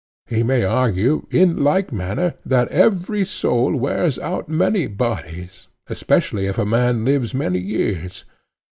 He may argue in like manner that every soul wears out many bodies, especially if a man live many years.